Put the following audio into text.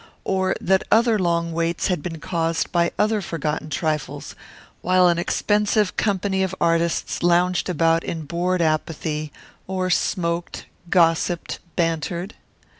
Or that other long waits had been caused by other forgotten trifles, while an expensive company of artists lounged about in bored apathy, or smoked, gossiped, bantered?